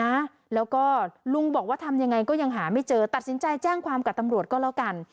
นะแล้วก็ลุงบอกว่าทำยังไงก็ยังหาไม่เจอตัดสินใจแจ้งความกับตำรวจก็แล้วกัน